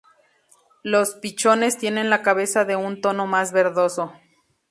Los pichones tienen la cabeza de un tono más verdoso.